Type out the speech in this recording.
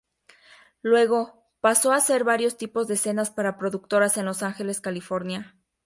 Luego, pasó a hacer varios tipos de escenas para productoras en Los Ángeles, California.